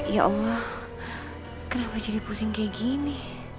ya allah kenapa jadi pusing kayak gini